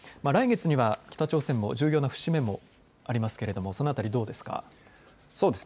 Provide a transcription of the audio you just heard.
来月には北朝鮮、重要な節目もありますけどその辺りどうですか。